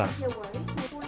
akan para pengisi acara